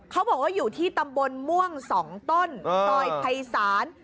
เขาบอกว่าอยู่ที่ตำบลม่วง๒ต้นซอยภัยศาล